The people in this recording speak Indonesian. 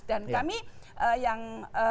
dan kami yang